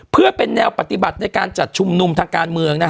เพื่อเป็นแนวปฏิบัติในการจัดชุมนุมทางการเมือง